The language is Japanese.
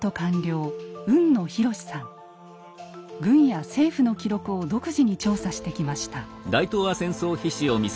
軍や政府の記録を独自に調査してきました。